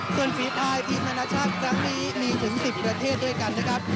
ส่วนฝีภายทีมนานาชาติครั้งนี้มีถึง๑๐ประเทศด้วยกันนะครับ